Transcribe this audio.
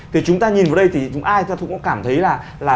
thì chúng ta nhìn vào đây thì ai ta cũng cảm thấy là